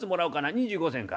２５銭か。